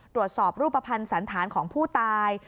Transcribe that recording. ตรวจสอบรูปภัณฑ์สันธารของผู้ตาย